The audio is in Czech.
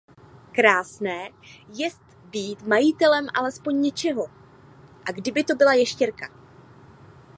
Krásné jest být majitelem alespoň něčeho, a kdyby to byla ještěrka!